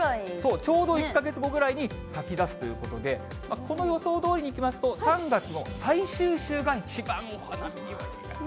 ちょうど１か月後ぐらいに咲き出すということで、この予想どおりにいきますと、３月の最終週が一番お花見。